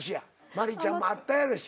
「まりちゃん」もあったやろうし。